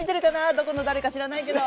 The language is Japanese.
どこの誰か知らないけど。